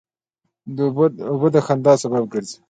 اوبه د خندا سبب ګرځي.